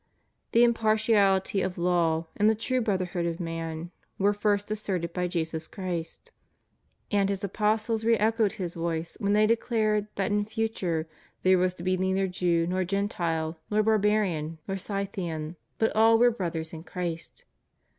The impartiality of law and the true brotherhood of man were first asserted by Jesus Christ; 144 HUMAN LIBERTY. and His apostles re echoed His voice when they declared that in future there was to be neither Jew, nor Gentile, nor Barbarian, nor Scythian, but all were brothers in Christ.